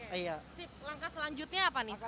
langkah selanjutnya apa nih